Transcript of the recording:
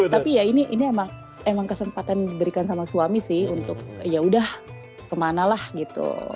tapi ya ini emang kesempatan diberikan sama suami sih untuk yaudah kemana lah gitu